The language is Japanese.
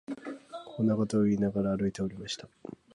こんなことを言いながら、歩いておりました